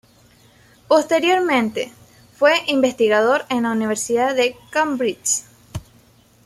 Posteriormente, fue investigador en la Universidad de Cambridge.